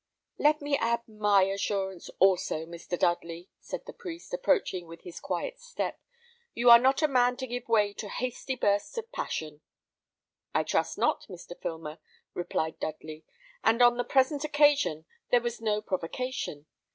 "Let me add my assurance, also, Mr. Dudley," said the priest, approaching with his quiet step. "You are not a man to give way to hasty bursts of passion." "I trust not, Mr. Filmer," replied Dudley; "and on the present occasion there was no provocation.